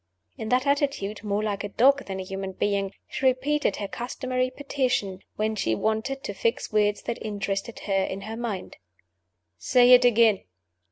In that attitude more like a dog than a human being she repeated her customary petition when she wanted to fix words that interested her in her mind. "Say it again!"